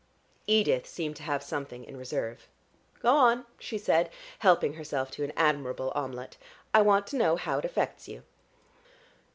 Edith seemed to have something in reserve. "Go on," she said, helping herself to an admirable omelette. "I want to know how it affects you."